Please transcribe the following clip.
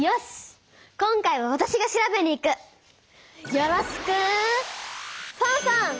よろしくファンファン！